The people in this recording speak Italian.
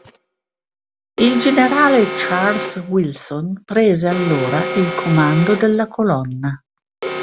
Il generale Charles Wilson prese allora il comando della colonna.